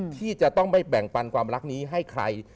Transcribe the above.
ที่จะต้องไม่แบ่งปันความรักนี้ให้ใคร